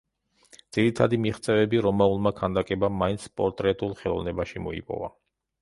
ძირითადი მიღწევები რომაულმა ქანდაკებამ მაინც პორტრეტულ ხელოვნებაში მოიპოვა.